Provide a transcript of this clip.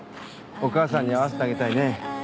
お母さんに会わせてあげたいね。